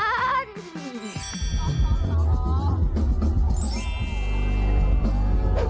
ย้าฮู้